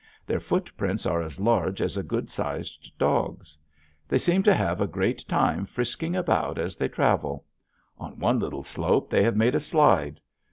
Their footprints are as large as a good sized dog's. They seem to have a great time frisking about as they travel. On one little slope they have made a slide.